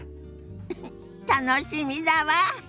ウフ楽しみだわ！